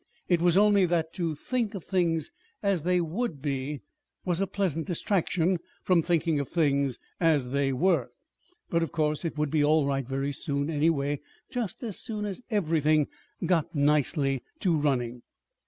It was only that to think of things as they would be was a pleasant distraction from thinking of things as they were. But of course it would be all right very soon, anyway, just as soon as everything got nicely to running.